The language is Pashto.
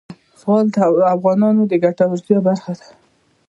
زغال د افغانانو د ګټورتیا برخه ده.